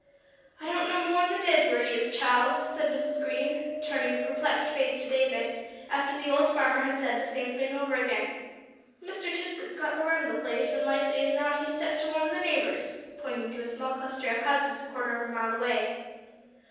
"I don't know no more'n the dead where he is, child," said Mrs. Green, turning a perplexed face to David, after the old farmer had said the same thing over again. "Mr. Tisbett's got the run o' the place, an' likely as not, he's stepped to one o' the neighbors," pointing to a small cluster of houses a quarter of a mile away.